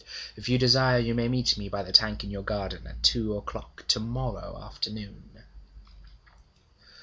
If you desire, you may meet me by the tank in your garden at two o'clock to morrow afternoon.'